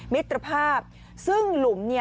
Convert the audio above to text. มิตรภาพซึ่งหลุม